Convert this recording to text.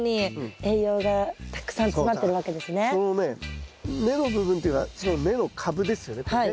そのね根の部分っていうかその根の株ですよねこれね。